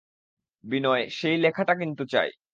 বিনয়, সেই লেখাটা কিন্তু চাই।